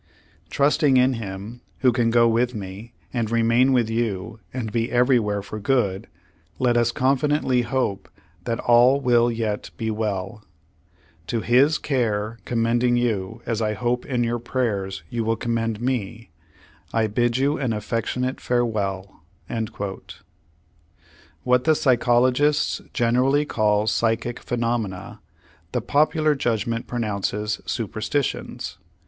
"Trusting in Him, who can go with me, and remain with you, and be everywhere for good, let us confidently hope that all will yet be well. To His care commending Page One Hundred sixty five Page One Hundred sixty six you, as I hope in your prayers you will commend me, I bid you an affectionate farewell." What the psychologists generally call psychic phenomena, the popular judgment pronounces superstitions.